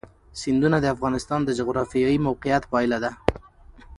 سیندونه د افغانستان د جغرافیایي موقیعت پایله ده.